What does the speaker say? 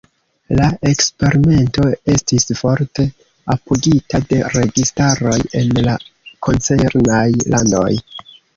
La eksperimento estis forte apogita de registaroj en la koncernaj landoj.